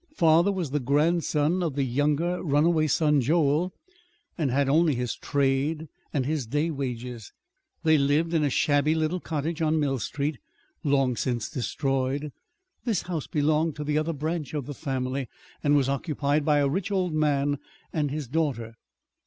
Father was the grandson of the younger, runaway son, Joel, and had only his trade and his day wages. They lived in a shabby little cottage on Mill Street, long since destroyed. This house belonged to the other branch of the family, and was occupied by a rich old man and his daughter.